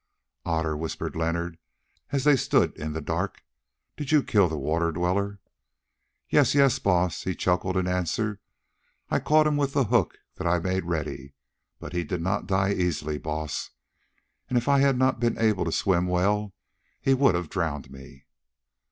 "Otter," whispered Leonard, as they stood in the dark, "did you kill the Water Dweller?" "Yes, yes, Baas," he chuckled in answer. "I caught him with the hook that I made ready. But he did not die easily, Baas, and if I had not been able to swim well he would have drowned me."